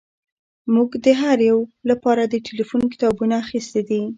موږ د هر یو لپاره د ټیلیفون کتابونه اخیستي دي